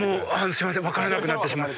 すいません分からなくなってしまって。